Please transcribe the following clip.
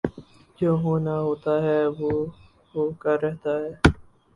جو ہونا ہوتاہےوہ ہو کر رہتا ہے